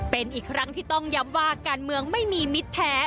เป็นอีกครั้งที่ต้องย้ำว่าการเมืองไม่มีมิตรแท้